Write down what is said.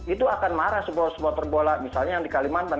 itu akan marah supporter supporter bola misalnya yang di kalimantan